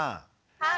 はい。